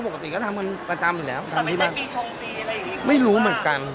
อยู่แล้วปกติก็ทำกันประจำอยู่แล้วทำไมไม่รู้เหมือนกัน